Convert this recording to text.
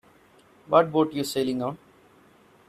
What boat you sailing on?